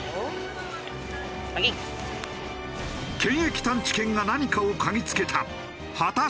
検疫探知犬が何かを嗅ぎつけた。